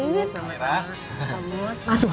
assalamualaikum warahmatullahi wabarakatuh